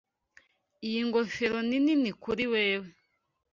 Iyi ngofero nini kuri wewe.